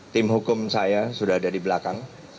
tim hukum saya sudah ada di belakang